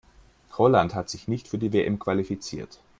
Holland hat sich nicht für die WM qualifiziert.